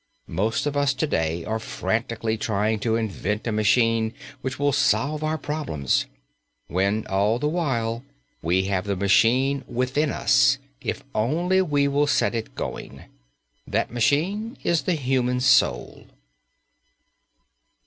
Most of us to day are frantically trying to invent a machine which will solve our problems, when all the while we have the machine within us, if we will only set it going. That machine is the human soul.